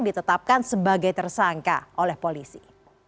ditetapkan sebagai tersangka oleh polisi